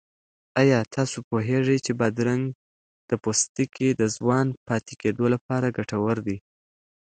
آیا تاسو پوهېږئ چې بادرنګ د پوستکي د ځوان پاتې کېدو لپاره ګټور دی؟